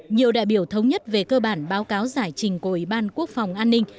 nhiều đại biểu thống nhất về cơ bản báo cáo giải trình của ủy ban quốc phòng an ninh